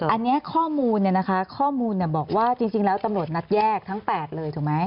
อันนี้ข้อมูลเนี่ยนะคะข้อมูลบอกว่าจริงแล้วตำรวจนัดแยกทั้ง๘เลยถูกไหม